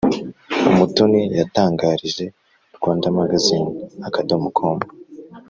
Umutoni yatangarije Rwandamagazine.com